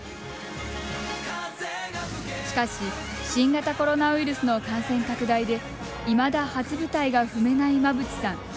しかし、新型コロナウイルスの感染拡大でいまだ初舞台が踏めない間渕さん。